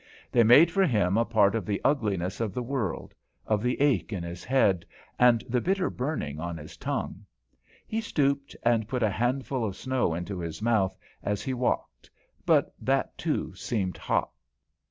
They made for him a part of the ugliness of the world, of the ache in his head, and the bitter burning on his tongue. He stooped and put a handful of snow into his mouth as he walked, but that, too, seemed hot.